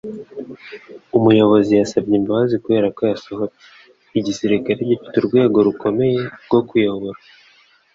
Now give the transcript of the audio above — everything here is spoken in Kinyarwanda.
Umuyobozi yasabye imbabazi kuberako yasohotse. Igisirikare gifite urwego rukomeye rwo kuyobora